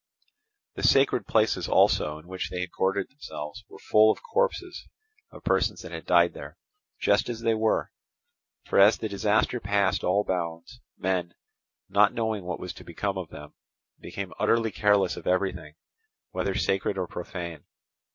The sacred places also in which they had quartered themselves were full of corpses of persons that had died there, just as they were; for as the disaster passed all bounds, men, not knowing what was to become of them, became utterly careless of everything, whether sacred or profane.